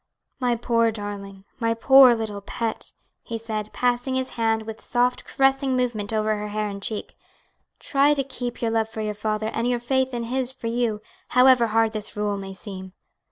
"My poor darling, my poor little pet!" he said, passing his hand with soft, caressing movement over her hair and cheek, "try to keep your love for your father and your faith in his for you, however hard this rule may seem."